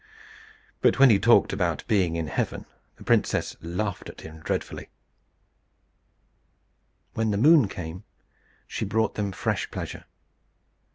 But when he talked about being in heaven, the princess laughed at him dreadfully. When the moon came, she brought them fresh pleasure.